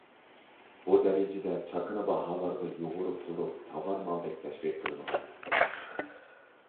بۇ دەرىجىدە چاكىنا باھالارغا يۇغۇرۇپ تۇرۇپ تاۋار مالدەك تەشۋىق قىلىنغان.